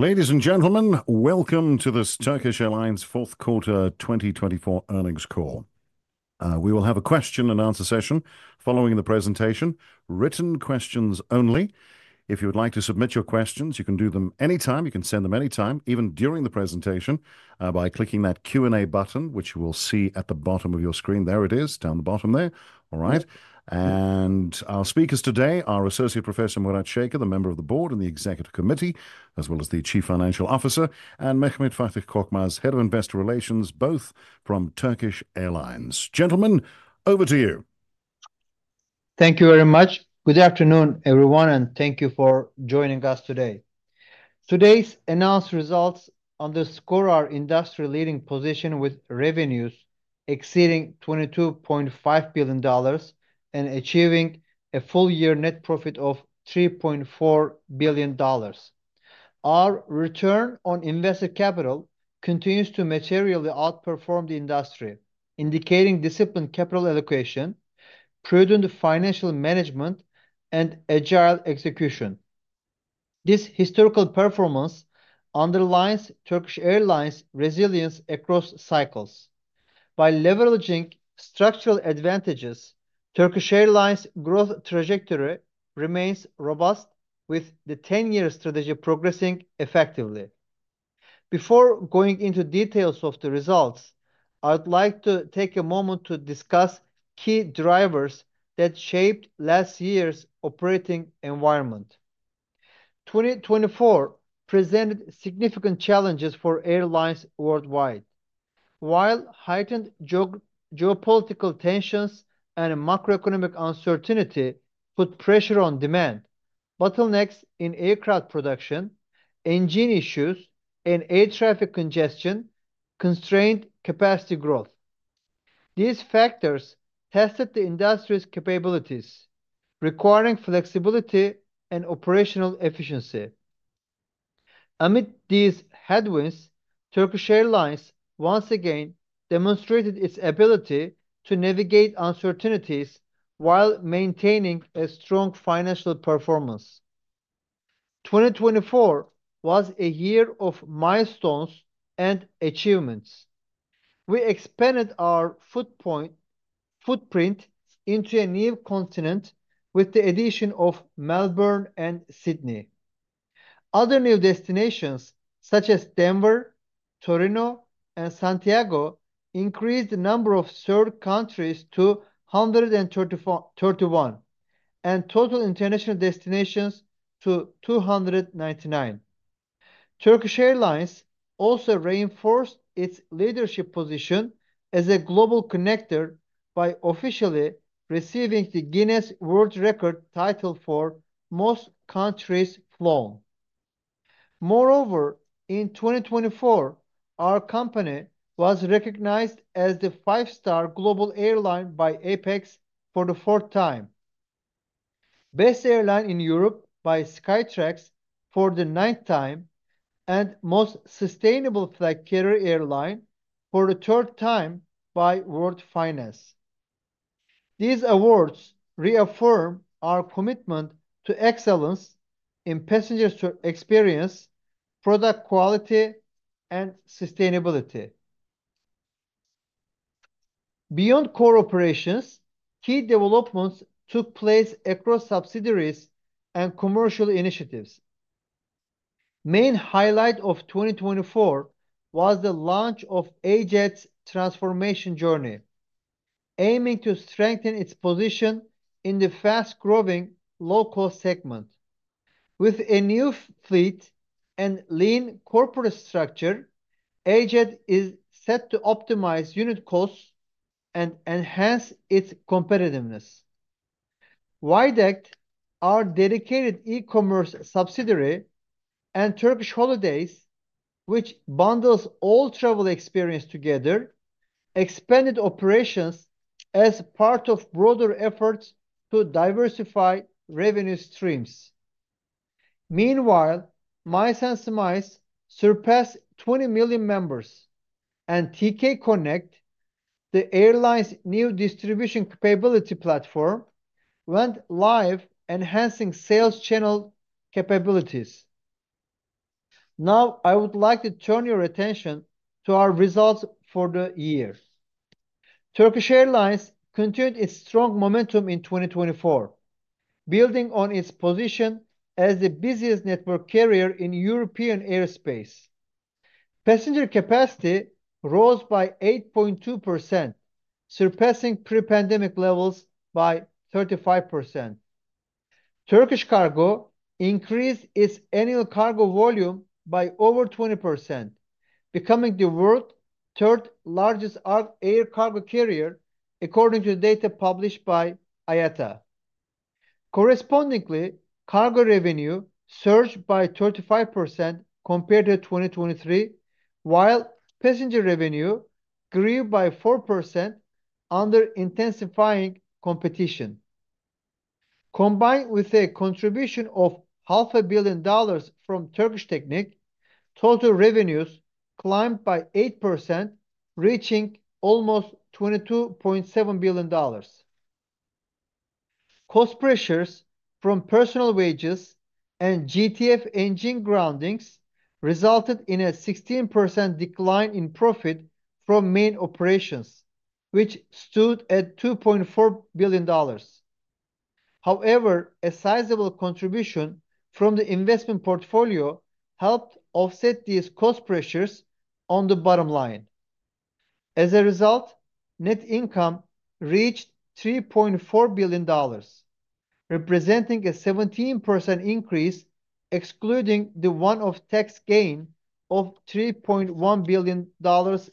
Ladies and gentlemen, welcome to this Turkish Airlines Fourth Quarter 2024 earnings call. We will have a question and answer session following the presentation, written questions only. If you would like to submit your questions, you can do them anytime. You can send them anytime, even during the presentation, by clicking that Q&A button, which you will see at the bottom of your screen. There it is, down the bottom there. All right. Our speakers today are Associate Professor Murat Şeker, Member of the Board and the Executive Committee, as well as the Chief Financial Officer, and Mehmet Fatih Korkmaz, Head of Investor Relations, both from Turkish Airlines. Gentlemen, over to you. Thank you very much. Good afternoon, everyone, and thank you for joining us today. Today's announced results underscore our industry-leading position with revenues exceeding $22.5 billion and achieving a full-year net profit of $3.4 billion. Our return on invested capital continues to materially outperform the industry, indicating disciplined capital allocation, prudent financial management, and agile execution. This historical performance underlines Turkish Airlines' resilience across cycles. By leveraging structural advantages, Turkish Airlines' growth trajectory remains robust, with the 10-year strategy progressing effectively. Before going into details of the results, I would like to take a moment to discuss key drivers that shaped last year's operating environment. 2024 presented significant challenges for airlines worldwide. While heightened geopolitical tensions and macroeconomic uncertainty put pressure on demand, bottlenecks in aircraft production, engine issues, and air traffic congestion constrained capacity growth. These factors tested the industry's capabilities, requiring flexibility and operational efficiency. Amid these headwinds, Turkish Airlines once again demonstrated its ability to navigate uncertainties while maintaining a strong financial performance. 2024 was a year of milestones and achievements. We expanded our footprint into a new continent with the addition of Melbourne and Sydney. Other new destinations, such as Denver, Torino, and Santiago, increased the number of served countries to 131 and total international destinations to 299. Turkish Airlines also reinforced its leadership position as a global connector by officially receiving the Guinness World Records title for most countries flown. Moreover, in 2024, our company was recognized as the Five-Star Global Airline by APEX for the fourth time, Best Airline in Europe by Skytrax for the ninth time, and Most Sustainable Flag Carrier Airline for the third time by World Finance. These awards reaffirm our commitment to excellence in passenger experience, product quality, and sustainability. Beyond core operations, key developments took place across subsidiaries and commercial initiatives. The main highlight of 2024 was the launch of AJet's transformation journey, aiming to strengthen its position in the fast-growing low-cost segment. With a new fleet and lean corporate structure, AJet is set to optimize unit costs and enhance its competitiveness. Widect, our dedicated e-commerce subsidiary, and Turkish Holidays, which bundles all travel experiences together, expanded operations as part of broader efforts to diversify revenue streams. Meanwhile, Miles&Smiles surpassed 20 million members, and TK Connect, the airline's new distribution capability platform, went live, enhancing sales channel capabilities. Now, I would like to turn your attention to our results for the year. Turkish Airlines continued its strong momentum in 2024, building on its position as the busiest network carrier in European airspace. Passenger capacity rose by 8.2%, surpassing pre-pandemic levels by 35%. Turkish Cargo increased its annual cargo volume by over 20%, becoming the world's third-largest air cargo carrier, according to data published by IATA. Correspondingly, cargo revenue surged by 35% compared to 2023, while passenger revenue grew by 4% under intensifying competition. Combined with a contribution of $500 million from Turkish Technic, total revenues climbed by 8%, reaching almost $22.7 billion. Cost pressures from personnel wages and GTF engine groundings resulted in a 16% decline in profit from main operations, which stood at $2.4 billion. However, a sizable contribution from the investment portfolio helped offset these cost pressures on the bottom line. As a result, net income reached $3.4 billion, representing a 17% increase excluding the one-off tax gain of $3.1 billion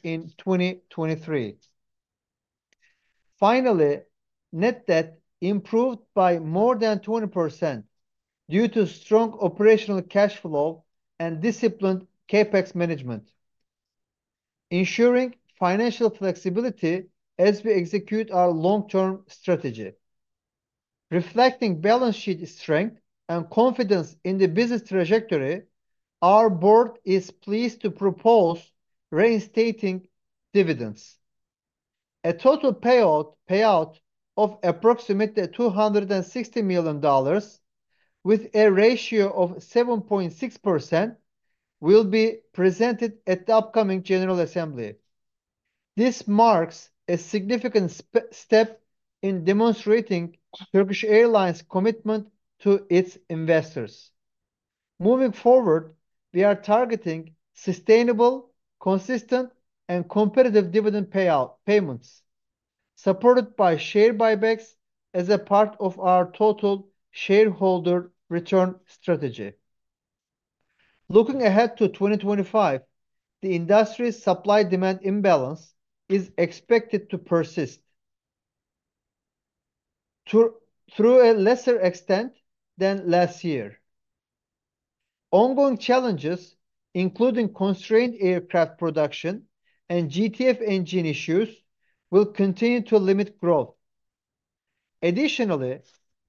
in 2023. Finally, net debt improved by more than 20% due to strong operational cash flow and disciplined CapEx management, ensuring financial flexibility as we execute our long-term strategy. Reflecting balance sheet strength and confidence in the business trajectory, our board is pleased to propose reinstating dividends. A total payout of approximately $260 million, with a ratio of 7.6%, will be presented at the upcoming General Assembly. This marks a significant step in demonstrating Turkish Airlines' commitment to its investors. Moving forward, we are targeting sustainable, consistent, and competitive dividend payout payments, supported by share buybacks as a part of our total shareholder return strategy. Looking ahead to 2025, the industry's supply-demand imbalance is expected to persist to a lesser extent than last year. Ongoing challenges, including constrained aircraft production and GTF engine issues, will continue to limit growth. Additionally,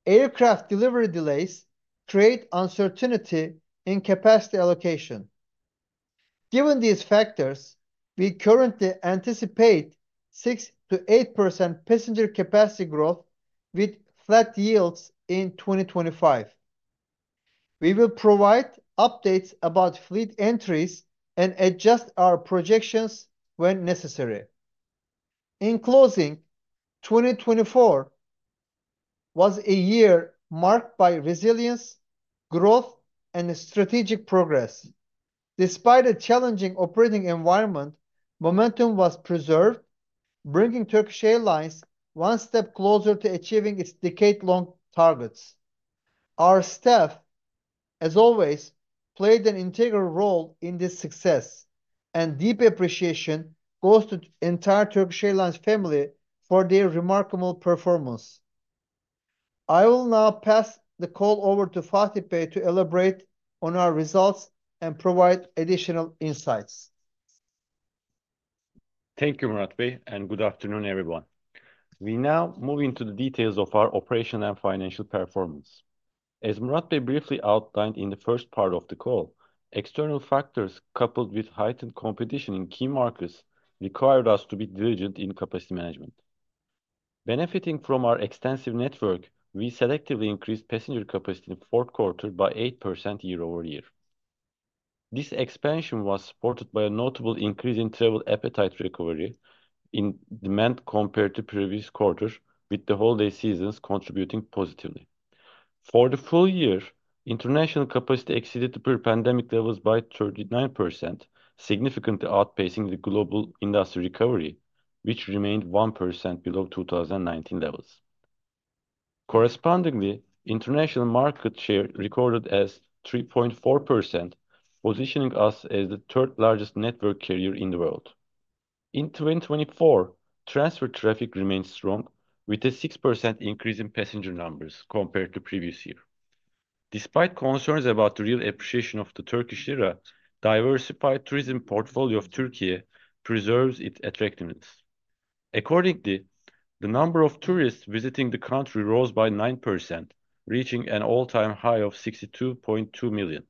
aircraft delivery delays create uncertainty in capacity allocation. Given these factors, we currently anticipate 6%-8% passenger capacity growth with flat yields in 2025. We will provide updates about fleet entries and adjust our projections when necessary. In closing, 2024 was a year marked by resilience, growth, and strategic progress. Despite a challenging operating environment, momentum was preserved, bringing Turkish Airlines one step closer to achieving its decade-long targets. Our staff, as always, played an integral role in this success, and deep appreciation goes to the entire Turkish Airlines family for their remarkable performance. I will now pass the call over to Fatih Bey to elaborate on our results and provide additional insights. Thank you, Murat Bey, and good afternoon, everyone. We now move into the details of our operational and financial performance. As Murat Bey briefly outlined in the first part of the call, external factors coupled with heightened competition in key markets required us to be diligent in capacity management. Benefiting from our extensive network, we selectively increased passenger capacity in the fourth quarter by 8% year-over-year. This expansion was supported by a notable increase in travel appetite recovery in demand compared to previous quarters, with the holiday seasons contributing positively. For the full year, international capacity exceeded the pre-pandemic levels by 39%, significantly outpacing the global industry recovery, which remained 1% below 2019 levels. Correspondingly, international market share recorded as 3.4%, positioning us as the third-largest network carrier in the world. In 2024, transfer traffic remained strong, with a 6% increase in passenger numbers compared to the previous year. Despite concerns about the real appreciation of the Turkish lira, the diversified tourism portfolio of Türkiye preserves its attractiveness. Accordingly, the number of tourists visiting the country rose by 9%, reaching an all-time high of 62.2 million.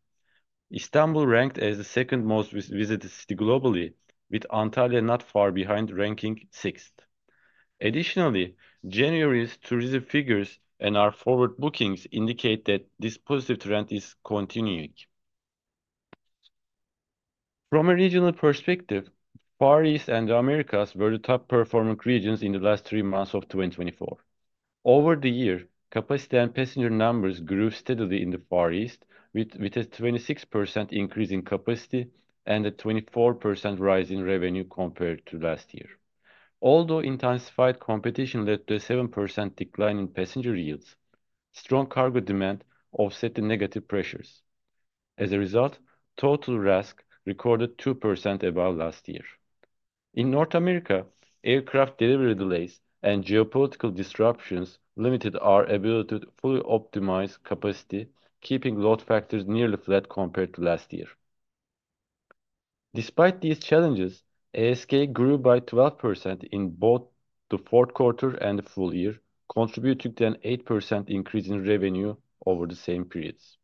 Istanbul ranked as the second most visited city globally, with Antalya not far behind, ranking sixth. Additionally, January's tourism figures and our forward bookings indicate that this positive trend is continuing. From a regional perspective, Far East and the Americas were the top-performing regions in the last three months of 2024. Over the year, capacity and passenger numbers grew steadily in the Far East, with a 26% increase in capacity and a 24% rise in revenue compared to last year. Although intensified competition led to a 7% decline in passenger yields, strong cargo demand offset the negative pressures. As a result, total RASK recorded 2% above last year. In North America, aircraft delivery delays and geopolitical disruptions limited our ability to fully optimize capacity, keeping load factors nearly flat compared to last year. Despite these challenges, ASK grew by 12% in both the fourth quarter and the full year, contributing to an 8% increase in revenue over the same periods.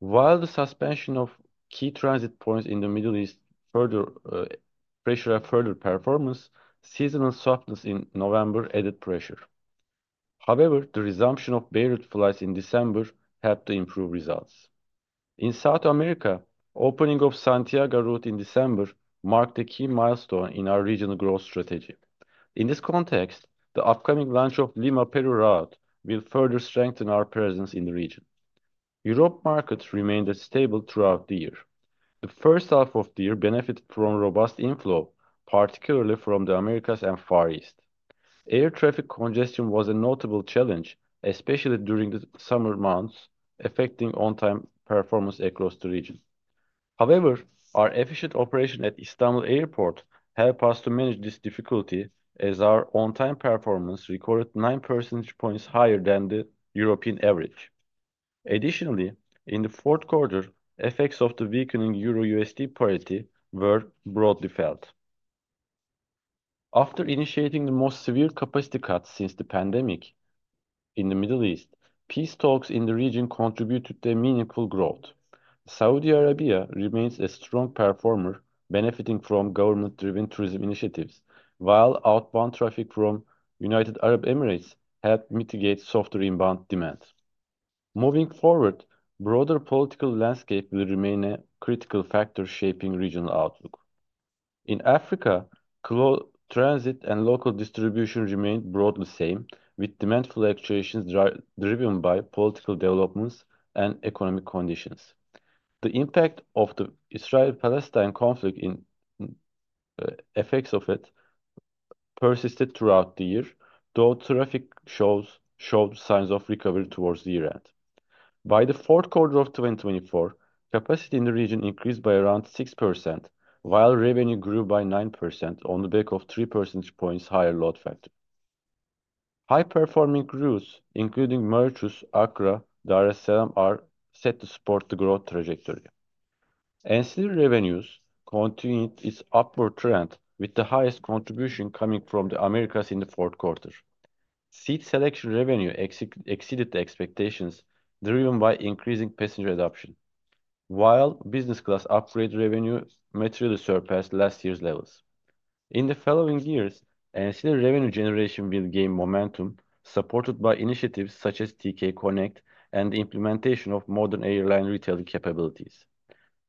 While the suspension of key transit points in the Middle East pressured our further performance, seasonal softness in November added pressure. However, the resumption of belly flights in December helped to improve results. In South America, the opening of the Santiago route in December marked a key milestone in our regional growth strategy. In this context, the upcoming launch of the Lima, Peru route will further strengthen our presence in the region. European markets remained stable throughout the year. The first half of the year benefited from robust inflow, particularly from the Americas and Far East. Air traffic congestion was a notable challenge, especially during the summer months, affecting on-time performance across the region. However, our efficient operation at Istanbul Airport helped us to manage this difficulty, as our on-time performance recorded 9 percentage points higher than the European average. Additionally, in the fourth quarter, effects of the weakening EUR/USD parity were broadly felt. After initiating the most severe capacity cuts since the pandemic in the Middle East, peace talks in the region contributed to meaningful growth. Saudi Arabia remains a strong performer, benefiting from government-driven tourism initiatives, while outbound traffic from the United Arab Emirates helped mitigate softer inbound demand. Moving forward, the broader political landscape will remain a critical factor shaping regional outlook. In Africa, closed transit and local distribution remain broadly the same, with demand fluctuations driven by political developments and economic conditions. The impact of the Israel-Palestine conflict and the effects of it persisted throughout the year, though traffic shows signs of recovery towards the end. By the fourth quarter of 2024, capacity in the region increased by around 6%, while revenue grew by 9% on the back of 3 percentage points higher load factor. High-performing groups, including Mauritius, Accra, and Dar es Salaam, are set to support the growth trajectory. Ancillary revenues continued its upward trend, with the highest contribution coming from the Americas in the fourth quarter. Seat selection revenue exceeded expectations, driven by increasing passenger adoption, while business-class upgrade revenue materially surpassed last year's levels. In the following years, ancillary revenue generation will gain momentum, supported by initiatives such as TK Connect and the implementation of modern airline retailing capabilities.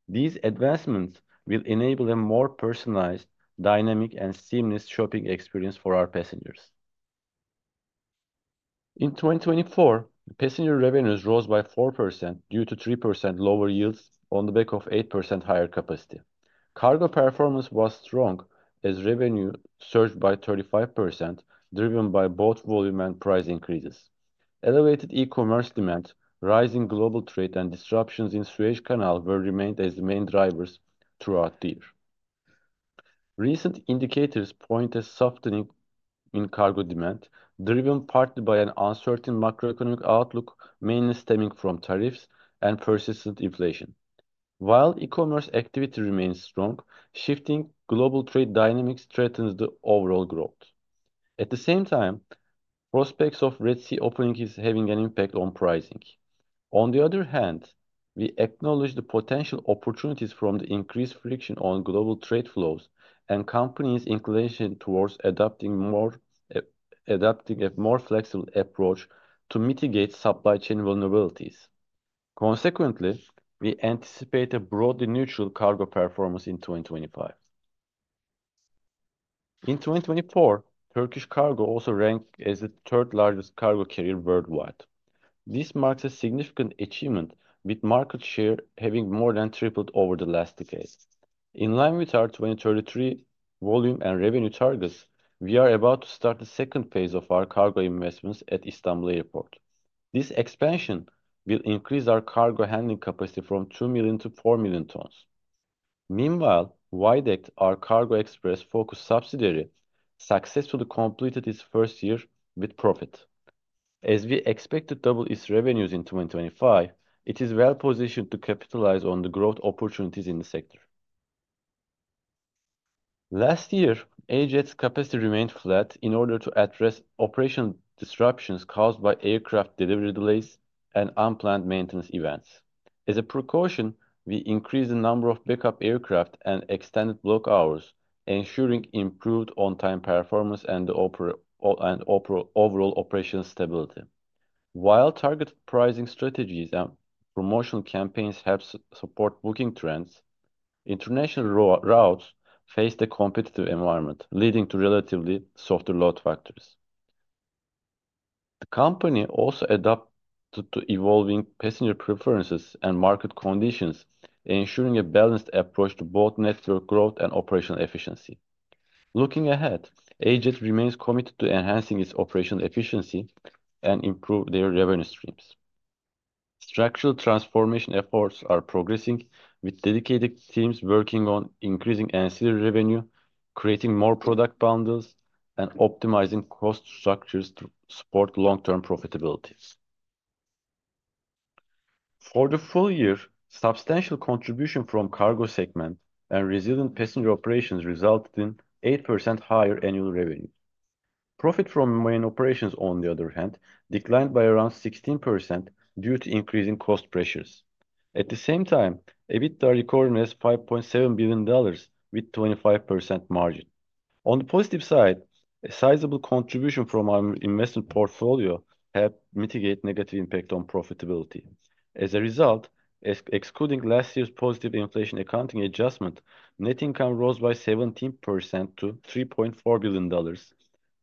These advancements will enable a more personalized, dynamic, and seamless shopping experience for our passengers. In 2024, passenger revenues rose by 4% due to 3% lower yields on the back of 8% higher capacity. Cargo performance was strong, as revenue surged by 35%, driven by both volume and price increases. Elevated e-commerce demand, rising global trade, and disruptions in the Suez Canal will remain as the main drivers throughout the year. Recent indicators point to a softening in cargo demand, driven partly by an uncertain macroeconomic outlook, mainly stemming from tariffs and persistent inflation. While e-commerce activity remains strong, shifting global trade dynamics threatens the overall growth. At the same time, prospects of Red Sea openings are having an impact on pricing. On the other hand, we acknowledge the potential opportunities from the increased friction on global trade flows and companies' inclination towards adopting a more flexible approach to mitigate supply chain vulnerabilities. Consequently, we anticipate a broadly neutral cargo performance in 2025. In 2024, Turkish Cargo also ranked as the third-largest cargo carrier worldwide. This marks a significant achievement, with market share having more than tripled over the last decade. In line with our 2033 volume and revenue targets, we are about to start the second phase of our cargo investments at Istanbul Airport. This expansion will increase our cargo handling capacity from 2 million to 4 million tons. Meanwhile, Widect, our cargo express focus subsidiary, successfully completed its first year with profit. As we expect to double its revenues in 2025, it is well-positioned to capitalize on the growth opportunities in the sector. Last year, AJet's capacity remained flat in order to address operational disruptions caused by aircraft delivery delays and unplanned maintenance events. As a precaution, we increased the number of backup aircraft and extended block hours, ensuring improved on-time performance and overall operational stability. While targeted pricing strategies and promotional campaigns help support booking trends, international routes face a competitive environment, leading to relatively softer load factors. The company also adapted to evolving passenger preferences and market conditions, ensuring a balanced approach to both network growth and operational efficiency. Looking ahead, AJet remains committed to enhancing its operational efficiency and improving their revenue streams. Structural transformation efforts are progressing, with dedicated teams working on increasing ancillary revenue, creating more product bundles, and optimizing cost structures to support long-term profitabilities. For the full year, substantial contribution from the cargo segment and resilient passenger operations resulted in 8% higher annual revenue. Profit from main operations, on the other hand, declined by around 16% due to increasing cost pressures. At the same time, EBITDA recorded as $5.7 billion, with a 25% margin. On the positive side, a sizable contribution from our investment portfolio helped mitigate negative impacts on profitability. As a result, excluding last year's positive inflation accounting adjustment, net income rose by 17% to $3.4 billion,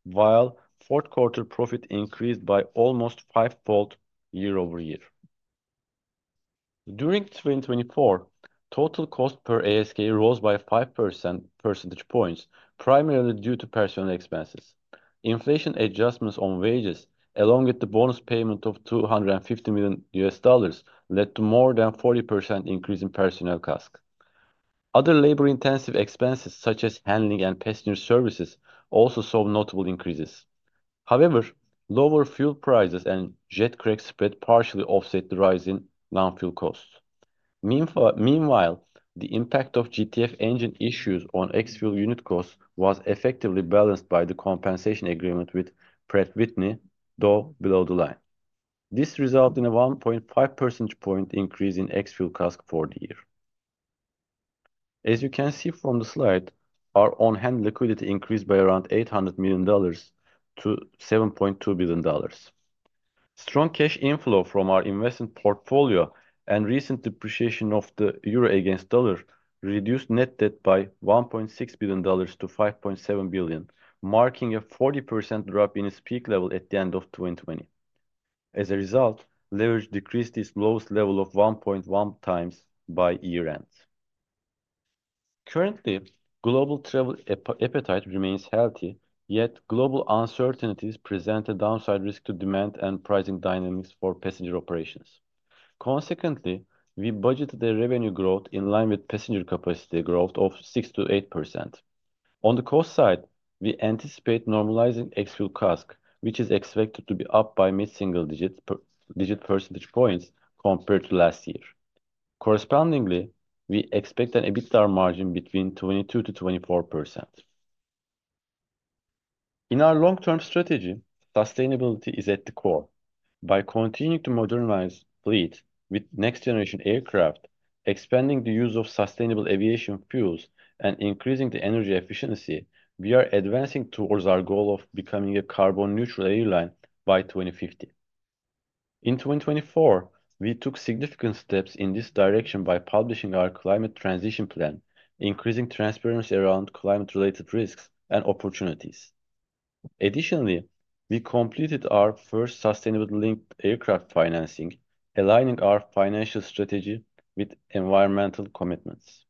while fourth-quarter profit increased by almost fivefold year over year. During 2024, total cost per ASK rose by 5 percentage points, primarily due to personnel expenses. Inflation adjustments on wages, along with the bonus payment of $250 million, led to more than a 40% increase in personnel costs. Other labor-intensive expenses, such as handling and passenger services, also saw notable increases. However, lower fuel prices and jet crack spread partially offset the rising non-fuel costs. Meanwhile, the impact of GTF engine issues on ex-fuel unit costs was effectively balanced by the compensation agreement with Pratt & Whitney, though below the line. This resulted in a 1.5 percentage point increase in ex-fuel costs for the year. As you can see from the slide, our on-hand liquidity increased by around $800 million to $7.2 billion. Strong cash inflow from our investment portfolio and recent depreciation of the euro against dollar reduced net debt by $1.6 billion to $5.7 billion, marking a 40% drop in its peak level at the end of 2020. As a result, leverage decreased its lowest level of 1.1 times by year-end. Currently, global travel appetite remains healthy, yet global uncertainties present a downside risk to demand and pricing dynamics for passenger operations. Consequently, we budgeted the revenue growth in line with passenger capacity growth of 6%-8%. On the cost side, we anticipate normalizing ex-fuel costs, which is expected to be up by mid-single digit percentage points compared to last year. Correspondingly, we expect an EBITDA margin between 22%-24%. In our long-term strategy, sustainability is at the core. By continuing to modernize fleet with next-generation aircraft, expanding the use of sustainable aviation fuels, and increasing energy efficiency, we are advancing towards our goal of becoming a carbon-neutral airline by 2050. In 2024, we took significant steps in this direction by publishing our climate transition plan, increasing transparency around climate-related risks and opportunities. Additionally, we completed our first sustainability-linked aircraft financing, aligning our financial strategy with environmental commitments.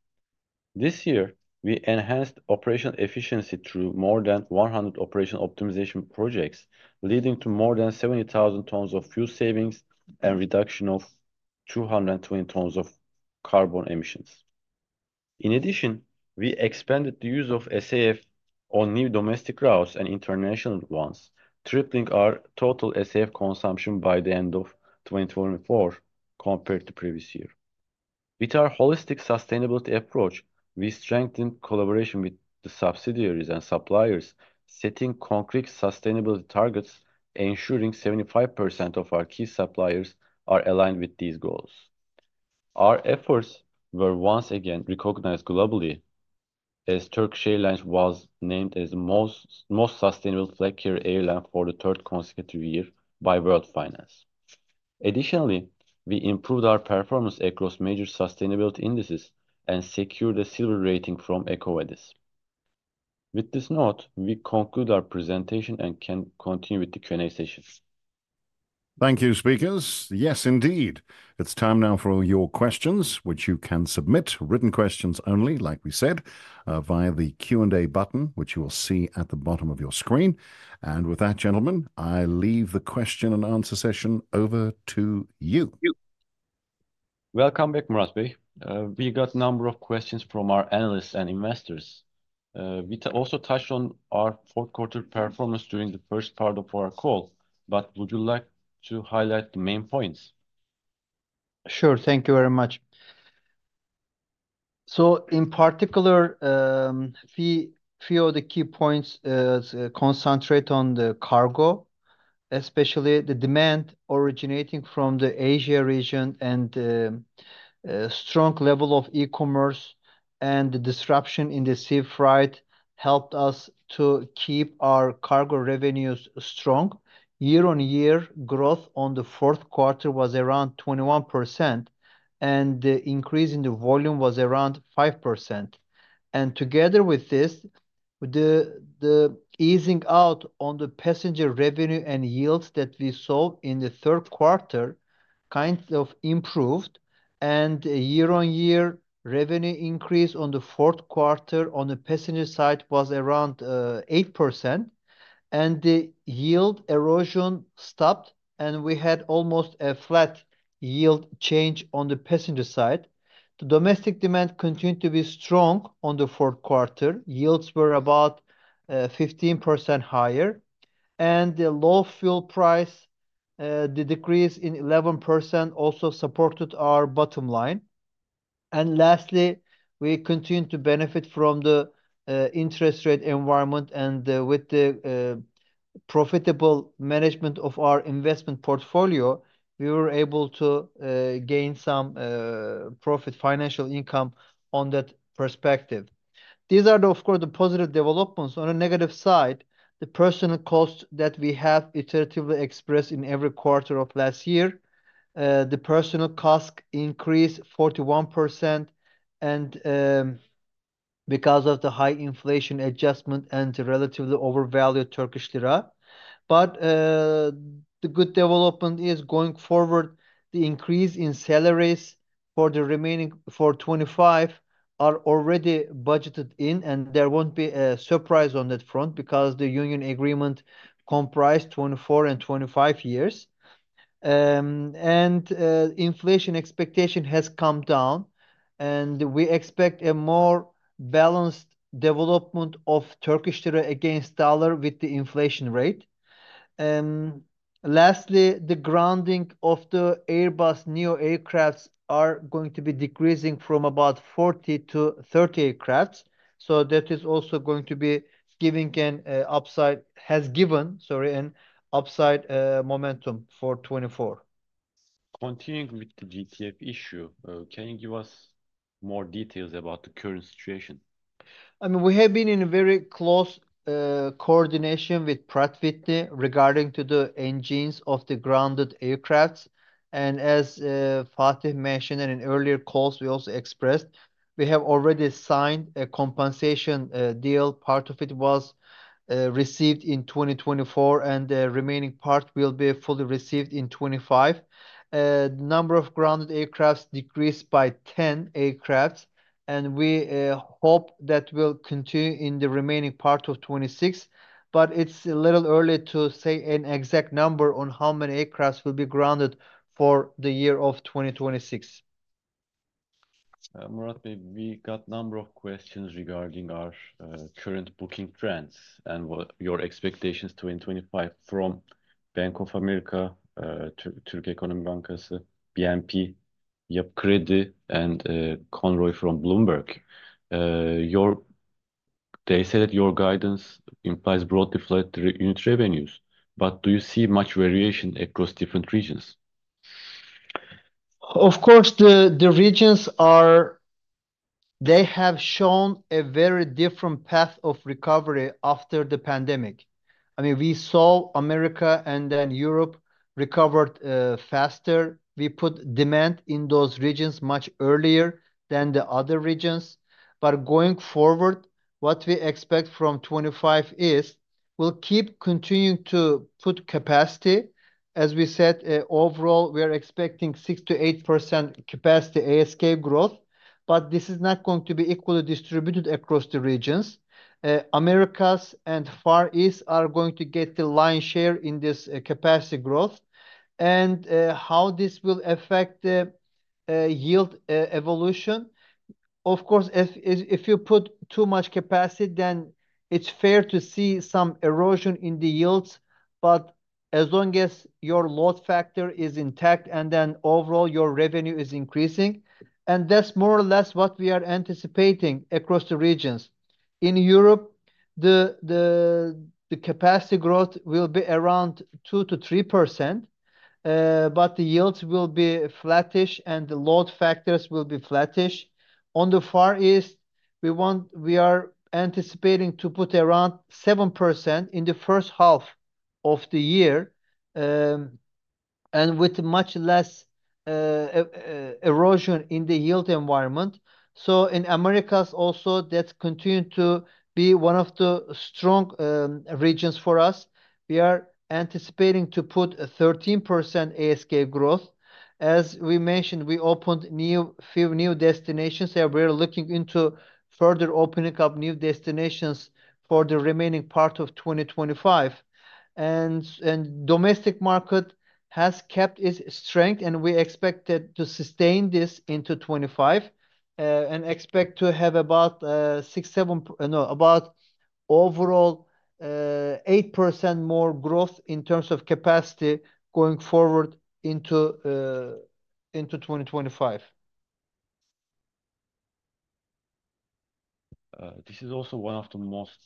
This year, we enhanced operational efficiency through more than 100 operational optimization projects, leading to more than 70,000 tons of fuel savings and a reduction of 220 tons of carbon emissions. In addition, we expanded the use of SAF on new domestic routes and international ones, tripling our total SAF consumption by the end of 2024 compared to the previous year. With our holistic sustainability approach, we strengthened collaboration with the subsidiaries and suppliers, setting concrete sustainability targets, ensuring 75% of our key suppliers are aligned with these goals. Our efforts were once again recognized globally as Turkish Airlines was named as the most sustainable flag carrier airline for the third consecutive year by World Finance. Additionally, we improved our performance across major sustainability indices and secured a silver rating from EcoVadis. With this note, we conclude our presentation and can continue with the Q&A session. Thank you, speakers. Yes, indeed. It's time now for your questions, which you can submit, written questions only, like we said, via the Q&A button, which you will see at the bottom of your screen. And with that, gentlemen, I leave the question and answer session over to you. Welcome back, Murat Bey. We got a number of questions from our analysts and investors. We also touched on our fourth-quarter performance during the first part of our call, but would you like to highlight the main points? Sure, thank you very much, so in particular, three of the key points concentrate on the cargo, especially the demand originating from the Asia region and the strong level of e-commerce and the disruption in the sea freight helped us to keep our cargo revenues strong. Year-on-year growth on the fourth quarter was around 21%, and the increase in the volume was around 5%, and together with this, the easing out on the passenger revenue and yields that we saw in the third quarter kind of improved, and year-on-year revenue increase on the fourth quarter on the passenger side was around 8%, and the yield erosion stopped, and we had almost a flat yield change on the passenger side. The domestic demand continued to be strong on the fourth quarter. Yields were about 15% higher, and the low fuel price, the decrease in 11% also supported our bottom line, and lastly, we continued to benefit from the interest rate environment, and with the profitable management of our investment portfolio, we were able to gain some profit financial income on that perspective. These are, of course, the positive developments. On the negative side, the personnel costs that we have iteratively expressed in every quarter of last year, the personnel cost increased 41%, and because of the high inflation adjustment and the relatively overvalued Turkish lira, but the good development is going forward. The increase in salaries for the remaining for 2025 are already budgeted in, and there won't be a surprise on that front because the union agreement comprised 2024 and 2025 years. Inflation expectation has come down, and we expect a more balanced development of Turkish lira against dollar with the inflation rate. Lastly, the grounding of the Airbus Neo aircraft are going to be decreasing from about 40 to 30 aircraft. So that is also going to be giving an upside, has given, sorry, an upside momentum for 2024. Continuing with the GTF issue, can you give us more details about the current situation? I mean, we have been in very close coordination with Pratt & Whitney regarding the engines of the grounded aircraft. And as Fatih mentioned in an earlier call, we also expressed we have already signed a compensation deal. Part of it was received in 2024, and the remaining part will be fully received in 2025. The number of grounded aircraft decreased by 10 aircraft, and we hope that will continue in the remaining part of 2026. But it's a little early to say an exact number on how many aircraft will be grounded for the year of 2026. Murat Bey, we got a number of questions regarding our current booking trends and what your expectations in 2025 from Bank of America, to Türk Ekonomi Bankası, BNP, Yapı Kredi, and Conroy from Bloomberg. They said that your guidance implies broadly flat unit revenues, but do you see much variation across different regions? Of course, the regions, they have shown a very different path of recovery after the pandemic. I mean, we saw America and then Europe recovered faster. We saw demand in those regions much earlier than the other regions. But going forward, what we expect from 2025 is we'll keep continuing to put capacity. As we said, overall, we're expecting 6%-8% capacity ASK growth, but this is not going to be equally distributed across the regions. Americas and Far East are going to get the lion's share in this capacity growth and how this will affect the yield evolution. Of course, if you put too much capacity, then it's fair to see some erosion in the yields, but as long as your load factor is intact and then overall your revenue is increasing, and that's more or less what we are anticipating across the regions. In Europe, the capacity growth will be around 2%-3%, but the yields will be flattish and the load factors will be flattish. On the Far East, we are anticipating to put around 7% in the first half of the year, and with much less erosion in the yield environment. In Americas, that also continued to be one of the strong regions for us. We are anticipating to put a 13% ASK growth. As we mentioned, we opened a few new destinations that we're looking into further opening up new destinations for the remaining part of 2025. And the domestic market has kept its strength, and we expect that to sustain this into 2025, and expect to have about six, seven, no, about overall 8% more growth in terms of capacity going forward into 2025. This is also one of the most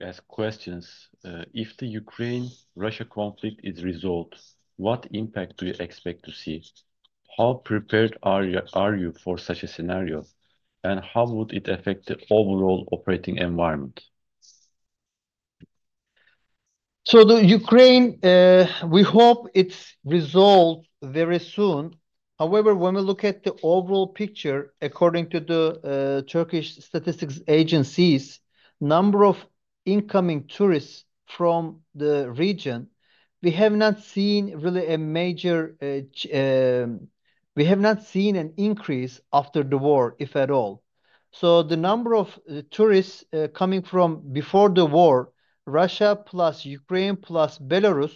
asked questions. If the Ukraine-Russia conflict is resolved, what impact do you expect to see? How prepared are you for such a scenario, and how would it affect the overall operating environment? The Ukraine, we hope it's resolved very soon. However, when we look at the overall picture, according to the Turkish statistics agencies, number of incoming tourists from the region, we have not seen really a major increase after the war, if at all. So the number of tourists coming from before the war, Russia plus Ukraine plus Belarus,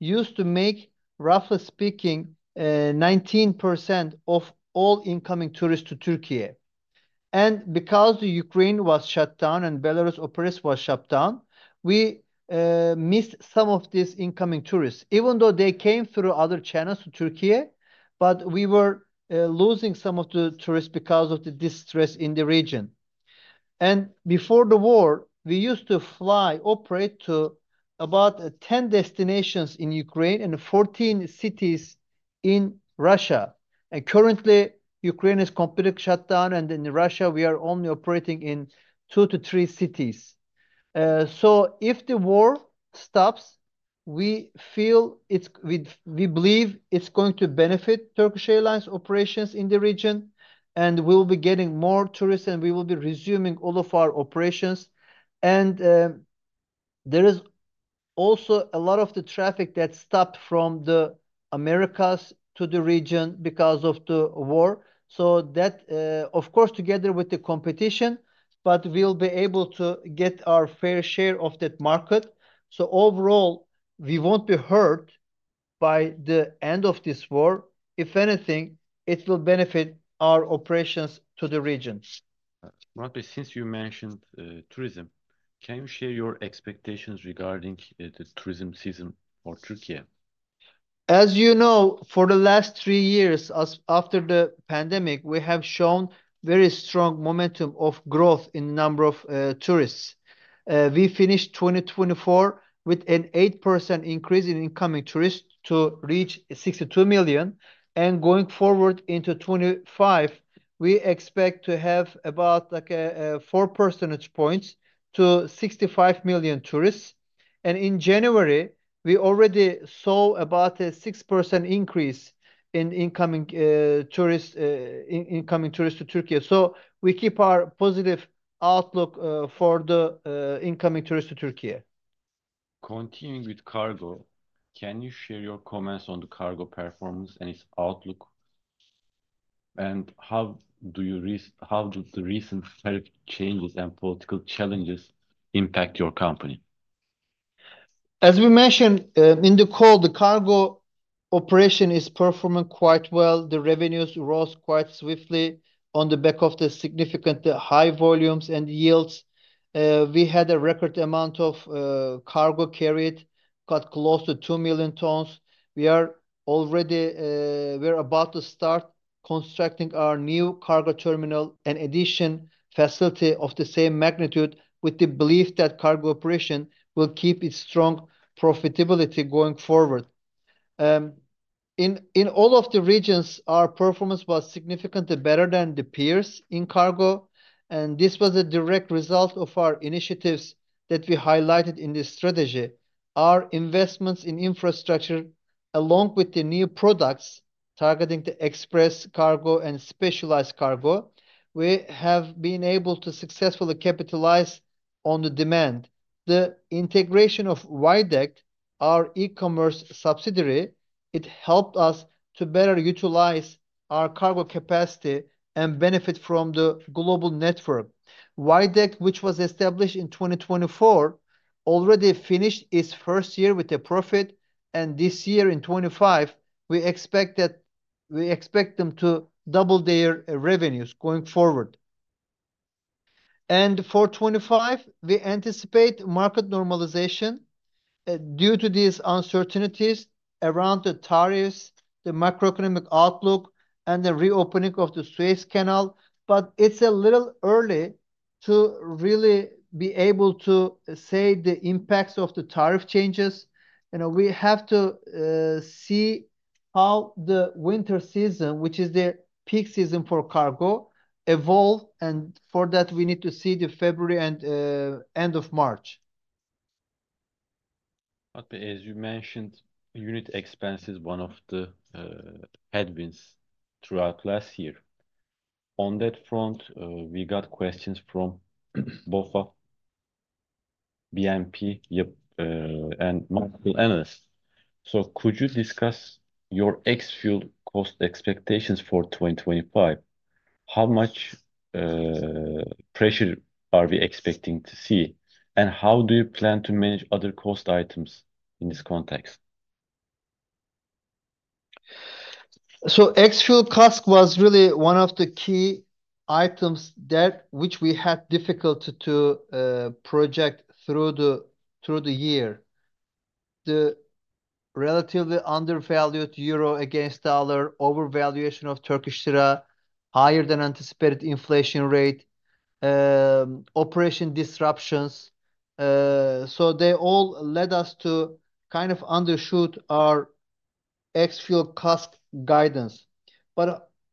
used to make, roughly speaking, 19% of all incoming tourists to Türkiye. And because the Ukraine was shut down and Belarus operations was shut down, we missed some of these incoming tourists, even though they came through other channels to Türkiye, but we were losing some of the tourists because of the distress in the region. And before the war, we used to fly, operate to about 10 destinations in Ukraine and 14 cities in Russia. And currently, Ukraine is completely shut down, and in Russia, we are only operating in two to three cities. So if the war stops, we believe it's going to benefit Turkish Airlines operations in the region, and we'll be getting more tourists, and we will be resuming all of our operations. And there is also a lot of the traffic that stopped from the Americas to the region because of the war. So that, of course, together with the competition, but we'll be able to get our fair share of that market. So overall, we won't be hurt by the end of this war. If anything, it will benefit our operations to the region. Murat Bey, since you mentioned tourism, can you share your expectations regarding the tourism season for Türkiye? As you know, for the last three years, after the pandemic, we have shown very strong momentum of growth in the number of tourists. We finished 2024 with an 8% increase in incoming tourists to reach 62 million. And going forward into 2025, we expect to have about like a 4 percentage points to 65 million tourists. And in January, we already saw about a 6% increase in incoming tourists, incoming tourists to Türkiye. So we keep our positive outlook for the incoming tourists to Türkiye. Continuing with cargo, can you share your comments on the cargo performance and its outlook? And how do the recent tariff changes and political challenges impact your company? As we mentioned in the call, the cargo operation is performing quite well. The revenues rose quite swiftly on the back of the significantly high volumes and yields. We had a record amount of cargo carried, got close to 2 million tons. We are already, we're about to start constructing our new cargo terminal, an additional facility of the same magnitude, with the belief that cargo operation will keep its strong profitability going forward. In all of the regions, our performance was significantly better than the peers in cargo, and this was a direct result of our initiatives that we highlighted in this strategy. Our investments in infrastructure, along with the new products targeting the express cargo and specialized cargo, we have been able to successfully capitalize on the demand. The integration of Widect, our e-commerce subsidiary, it helped us to better utilize our cargo capacity and benefit from the global network. Widect, which was established in 2024, already finished its first year with a profit, and this year in 2025, we expect them to double their revenues going forward. And for 2025, we anticipate market normalization due to these uncertainties around the tariffs, the macroeconomic outlook, and the reopening of the Suez Canal, but it's a little early to really be able to say the impacts of the tariff changes. You know, we have to see how the winter season, which is the peak season for cargo, evolves, and for that, we need to see the February and end of March. Murat Bey, as you mentioned, unit expense is one of the headwinds throughout last year. On that front, we got questions from BOFA, BNP, yep, and multiple analysts. So could you discuss your ex-fuel cost expectations for 2025? How much pressure are we expecting to see, and how do you plan to manage other cost items in this context? Ex-fuel cost was really one of the key items that which we had difficulty to project through the year. The relatively undervalued euro against dollar, overvaluation of Turkish lira, higher than anticipated inflation rate, operation disruptions. They all led us to kind of undershoot our ex-fuel cost guidance.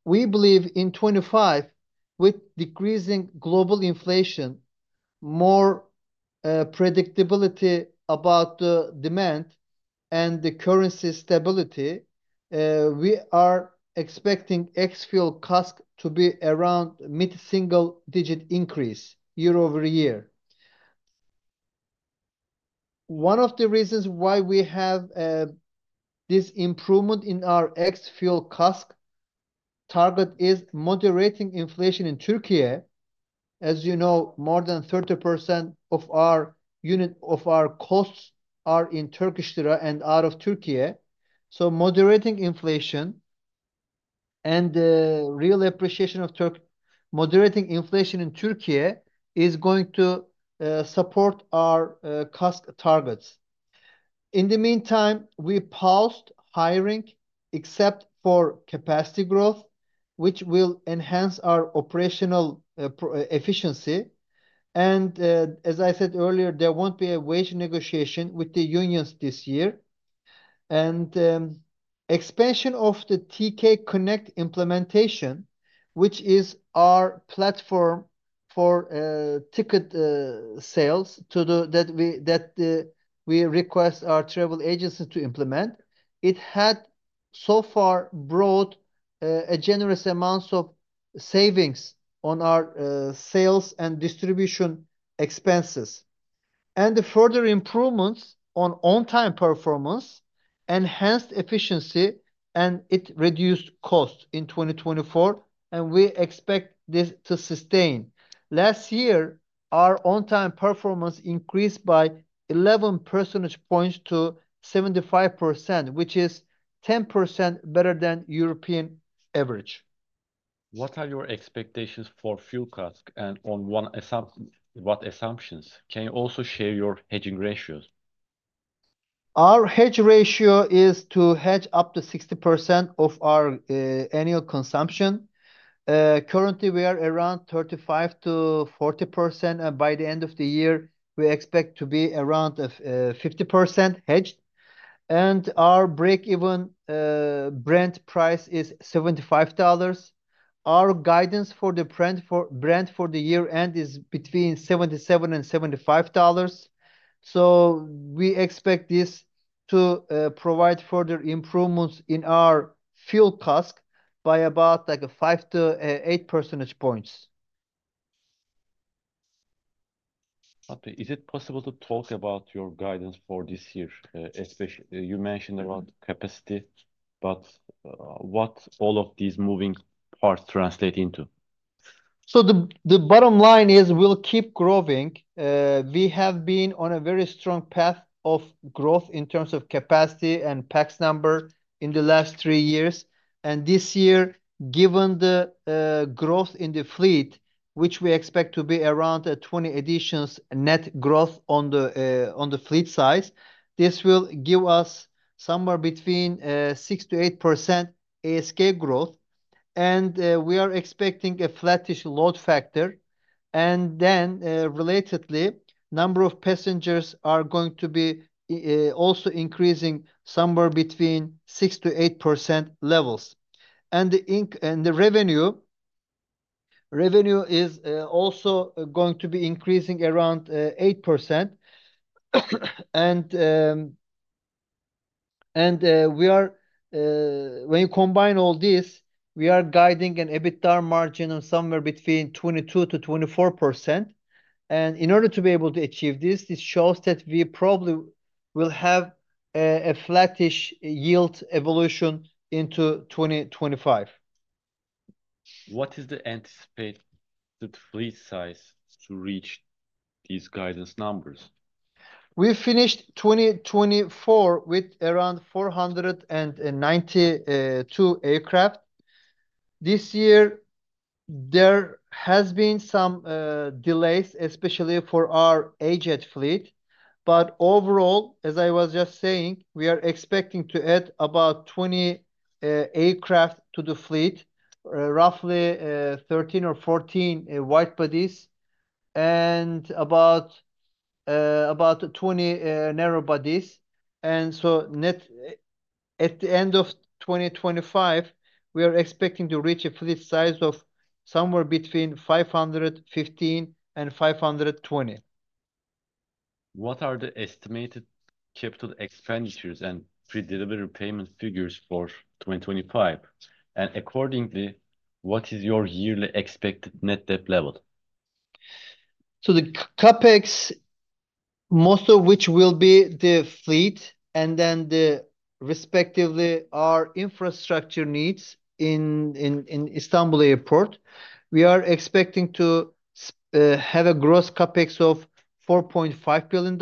We believe in 2025, with decreasing global inflation, more predictability about the demand and the currency stability, we are expecting ex-fuel cost to be around mid-single digit increase year over year. One of the reasons why we have this improvement in our ex-fuel cost target is moderating inflation in Türkiye. As you know, more than 30% of our unit of our costs are in Turkish lira and out of Türkiye. Moderating inflation and the real appreciation of Turkish lira, moderating inflation in Türkiye is going to support our cost targets. In the meantime, we paused hiring except for capacity growth, which will enhance our operational efficiency. As I said earlier, there won't be a wage negotiation with the unions this year. Expansion of the TK Connect implementation, which is our platform for ticket sales to do that we request our travel agency to implement, it had so far brought a generous amount of savings on our sales and distribution expenses. Further improvements on on-time performance enhanced efficiency, and it reduced costs in 2024, and we expect this to sustain. Last year, our on-time performance increased by 11 percentage points to 75%, which is 10% better than European average. What are your expectations for fuel costs and on one assumption? What assumptions? Can you also share your hedging ratios? Our hedge ratio is to hedge up to 60% of our annual consumption. Currently, we are around 35%-40%, and by the end of the year, we expect to be around 50% hedged. Our break-even Brent price is $75. Our guidance for the Brent for the year end is between $77 and $75. So we expect this to provide further improvements in our fuel cost by about like 5-8 percentage points. Murat Bey, is it possible to talk about your guidance for this year? Especially you mentioned about capacity, but what all of these moving parts translate into? The bottom line is we'll keep growing. We have been on a very strong path of growth in terms of capacity and PAX number in the last three years. This year, given the growth in the fleet, which we expect to be around 20 additions net growth on the fleet size, this will give us somewhere between 6%-8% ASK growth. We are expecting a flattish load factor. Then relatedly, number of passengers are going to be also increasing somewhere between 6%-8% levels. And the RASK and the revenue is also going to be increasing around 8%. And we are, when you combine all this, guiding an EBITDA margin of somewhere between 22%-24%. And in order to be able to achieve this, this shows that we probably will have a flattish yield evolution into 2025. What is the anticipated fleet size to reach these guidance numbers? We finished 2024 with around 492 aircraft. This year, there has been some delays, especially for our AJet fleet. But overall, as I was just saying, we are expecting to add about 20 aircraft to the fleet, roughly 13 or 14 widebodies and about 20 narrowbodies. And so net at the end of 2025, we are expecting to reach a fleet size of somewhere between 515 and 520. What are the estimated capital expenditures and pre-delivery payment figures for 2025? And accordingly, what is your yearly expected net debt level? So the CAPEX, most of which will be the fleet and then respectively our infrastructure needs in Istanbul Airport, we are expecting to have a gross CAPEX of $4.5 billion.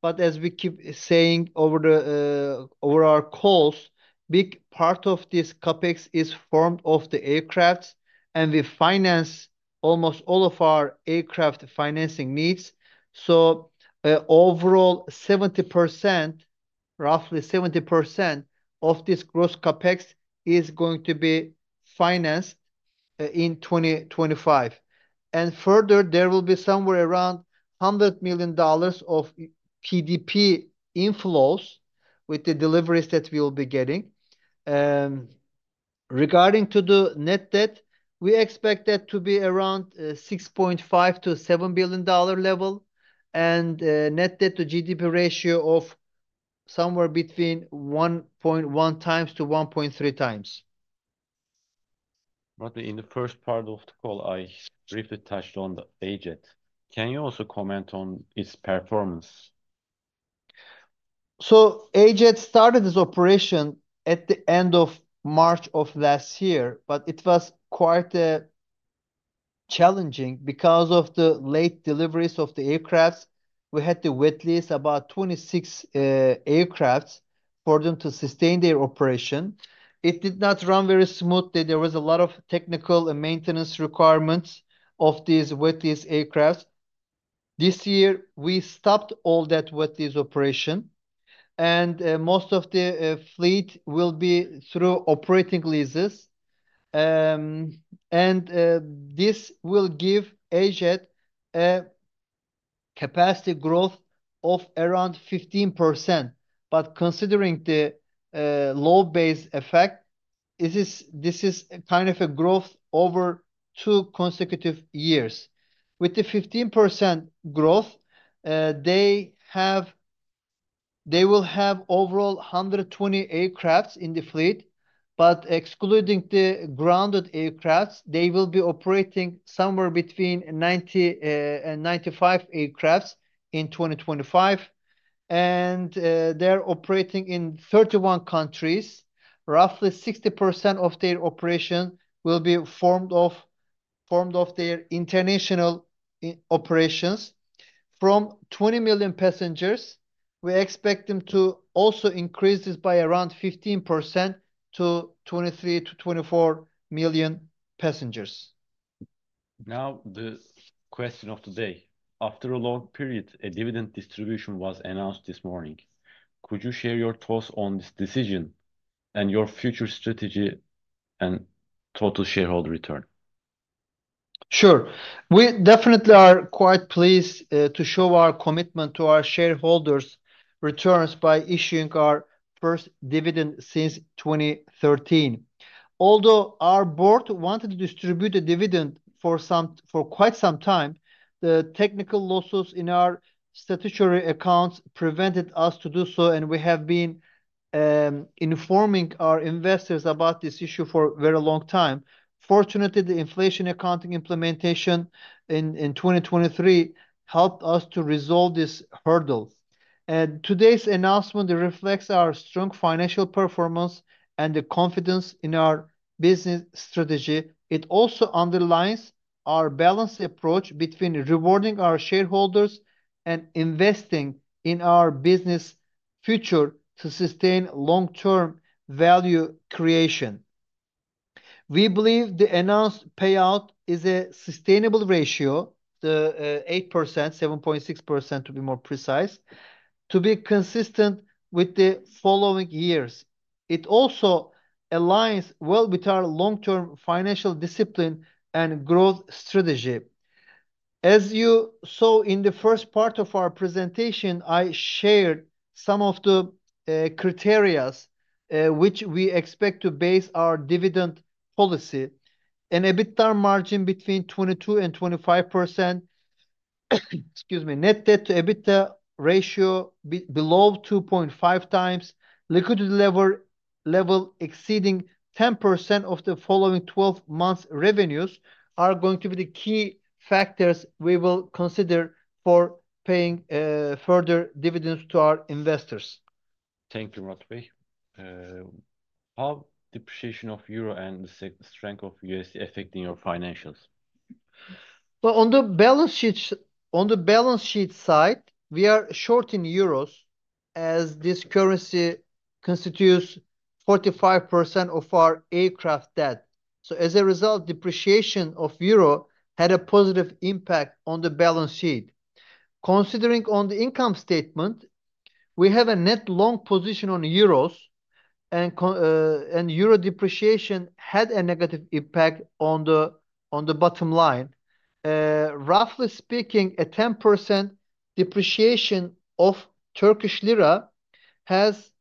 But as we keep saying over the over our calls, a big part of this CAPEX is formed of the aircraft, and we finance almost all of our aircraft financing needs. So overall, 70%, roughly 70% of this gross CAPEX is going to be financed in 2025. And further, there will be somewhere around $100 million of PDP inflows with the deliveries that we will be getting. Regarding the net debt, we expect that to be around $6.5-$7 billion level and net debt to EBITDA ratio of somewhere between 1.1-1.3 times. Murat Bey, in the first part of the call, I briefly touched on the AJet. Can you also comment on its performance? So AJet started its operation at the end of March of last year, but it was quite challenging because of the late deliveries of the aircraft. We had to wet lease about 26 aircraft for them to sustain their operation. It did not run very smoothly. There was a lot of technical and maintenance requirements of these wet lease aircraft. This year, we stopped all that wet lease operation, and most of the fleet will be through operating leases. And this will give AJet a capacity growth of around 15%. But considering the low base effect, this is kind of a growth over two consecutive years. With the 15% growth, they will have overall 120 aircraft in the fleet, but excluding the grounded aircraft, they will be operating somewhere between 90 and 95 aircraft in 2025. And they're operating in 31 countries. Roughly 60% of their operation will be formed of their international operations. From 20 million passengers, we expect them to also increase this by around 15% to 23 to 24 million passengers. Now, the question of the day. After a long period, a dividend distribution was announced this morning. Could you share your thoughts on this decision and your future strategy and total shareholder return? Sure. We definitely are quite pleased to show our commitment to our shareholders' returns by issuing our first dividend since 2013. Although our board wanted to distribute a dividend for quite some time, the technical losses in our statutory accounts prevented us to do so, and we have been informing our investors about this issue for a very long time. Fortunately, the inflation accounting implementation in 2023 helped us to resolve this hurdle. And today's announcement reflects our strong financial performance and the confidence in our business strategy. It also underlines our balanced approach between rewarding our shareholders and investing in our business future to sustain long-term value creation. We believe the announced payout is a sustainable ratio, the 8%, 7.6% to be more precise, to be consistent with the following years. It also aligns well with our long-term financial discipline and growth strategy. As you saw in the first part of our presentation, I shared some of the criteria which we expect to base our dividend policy: an EBITDA margin between 22%-25%, excuse me, net debt to EBITDA ratio below 2.5 times, liquidity level exceeding 10% of the following 12 months' revenues are going to be the key factors we will consider for paying further dividends to our investors. Thank you, Murat Bey. How is the depreciation of euro and the strength of USD affecting your financials? Well, on the balance sheet, on the balance sheet side, we are short in euros as this currency constitutes 45% of our aircraft debt. So as a result, depreciation of euro had a positive impact on the balance sheet. Considering on the income statement, we have a net long position on euros, and euro depreciation had a negative impact on the bottom line. Roughly speaking, a 10% depreciation of Turkish lira has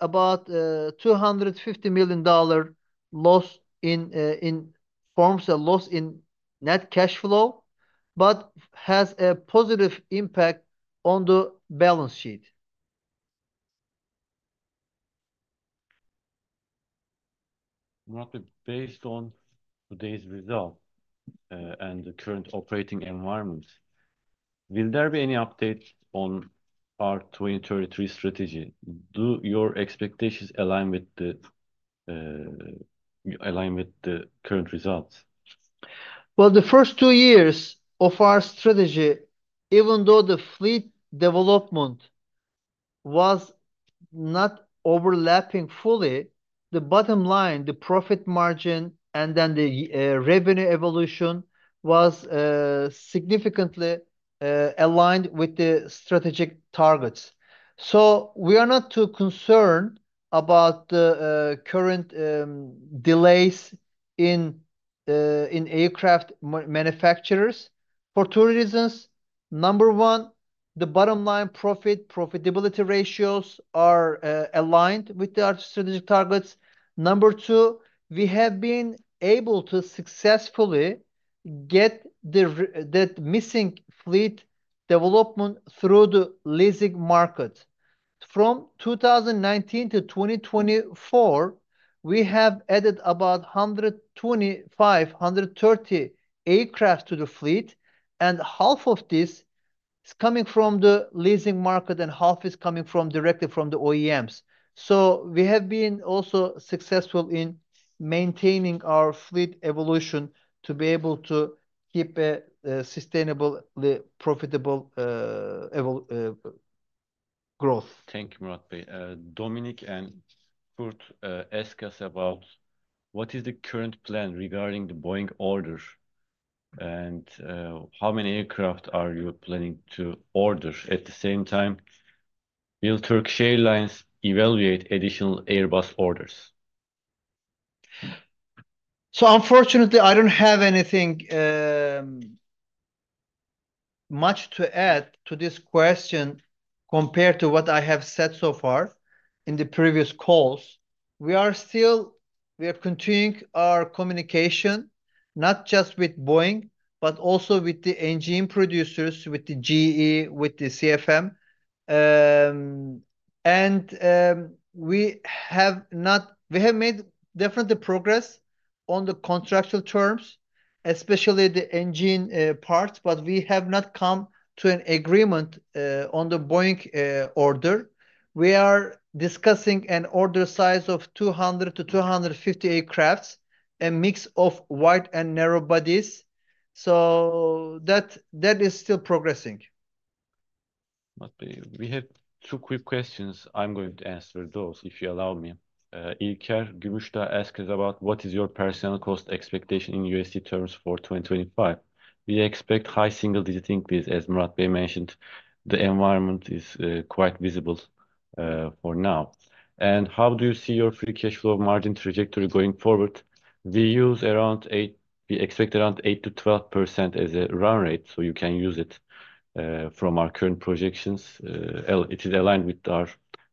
about $250 million dollar loss in forms a loss in net cash flow, but has a positive impact on the balance sheet. Murat Bey, based on today's result and the current operating environment, will there be any updates on our 2023 strategy? Do your expectations align with the current results? Well, the first two years of our strategy, even though the fleet development was not overlapping fully, the bottom line, the profit margin, and then the revenue evolution was significantly aligned with the strategic targets. So we are not too concerned about the current delays in aircraft manufacturers for two reasons. Number one, the bottom line profitability ratios are aligned with our strategic targets. Number two, we have been able to successfully get that missing fleet development through the leasing market. From 2019 to 2024, we have added about 125-130 aircraft to the fleet, and half of this is coming from the leasing market and half is coming directly from the OEMs. So we have been also successful in maintaining our fleet evolution to be able to keep a sustainably profitable growth. Thank you, Murat Bey. Dominic and Kurt ask us about what is the current plan regarding the Boeing order and how many aircraft are you planning to order at the same time? Will Turkish Airlines evaluate additional Airbus orders? So unfortunately, I don't have anything much to add to this question compared to what I have said so far in the previous calls. We are still, we are continuing our communication not just with Boeing, but also with the engine producers, with the GE, with the CFM. And we have not, we have made definitely progress on the contractual terms, especially the engine part, but we have not come to an agreement on the Boeing order. We are discussing an order size of 200-250 aircraft, a mix of wide and narrow bodies. So that is still progressing. Murat Bey, we have two quick questions. I'm going to answer those if you allow me. Ilker Gümüştaş asks about what is your personal cost expectation in USD terms for 2025? We expect high single-digit increase, as Murat Bey mentioned. The environment is quite visible for now. And how do you see your free cash flow margin trajectory going forward? We use around eight. We expect around 8%-12% as a run rate, so you can use it from our current projections. It is aligned with our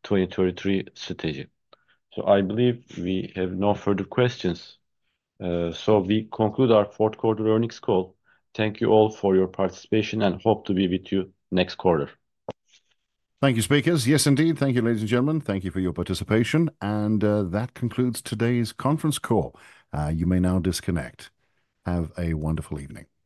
2023 strategy. So I believe we have no further questions. So we conclude our fourth quarter earnings call. Thank you all for your participation and hope to be with you next quarter. Thank you, speakers. Yes, indeed. Thank you, ladies and gentlemen. Thank you for your participation. And that concludes today's conference call. You may now disconnect. Have a wonderful evening.